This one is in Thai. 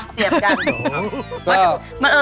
เสียบไก่ชอบนะ